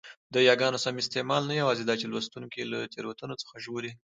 د یاګانو سم استعمال نه یوازي داچي لوستوونکی له تېروتنو څخه ژغوري؛